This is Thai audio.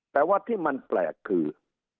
แต่ว่าที่มันแปลกคือ